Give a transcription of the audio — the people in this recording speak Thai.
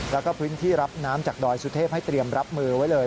แล้วก็พื้นที่รับน้ำจากดอยสุเทพให้เตรียมรับมือไว้เลย